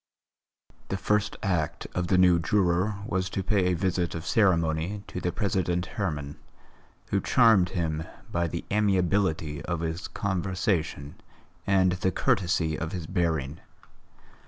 The first act of the new juror was to pay a visit of ceremony to the President Herman, who charmed him by the amiability of his conversation and the courtesy of his bearing.